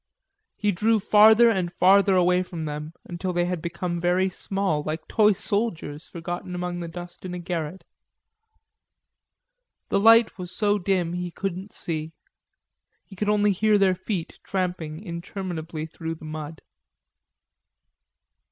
He drew farther and farther away from them until they had become very small, like toy soldiers forgotten among the dust in a garret. The light was so dim he couldn't see, he could only hear their feet tramping interminably through the mud.